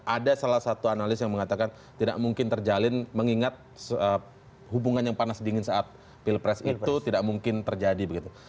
ada salah satu analis yang mengatakan tidak mungkin terjalin mengingat hubungan yang panas dingin saat pilpres itu tidak mungkin terjadi begitu